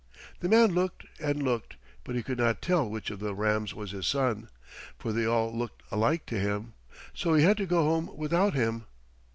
The man looked and looked, but he could not tell which of the rams was his son, for they all looked alike to him, so he had to go home without him.